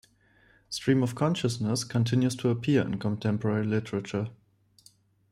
Stream of consciousness continues to appear in contemporary literature.